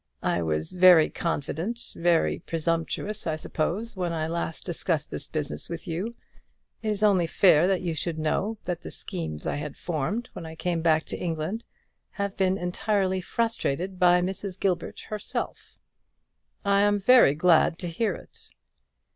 I was very confident, very presumptuous, I suppose, when I last discussed this business with you. It is only fair that you should know that the schemes I had formed, when I came back to England, have been entirely frustrated by Mrs. Gilbert herself." "I am very glad to hear it."